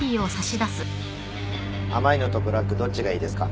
甘いのとブラックどっちがいいですか？